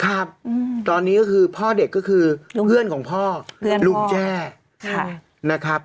ครับตอนนี้ก็คือพ่อเด็กก็คือเพื่อนของพ่อเพื่อนลุงแจ้นะครับ